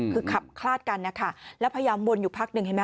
คือขับคลาดกันแล้วพยายามมนต์อยู่พักหนึ่ง